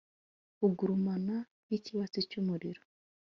ugurumana nk’ikibatsi cy’umuriro,